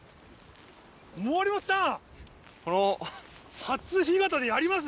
森本さん！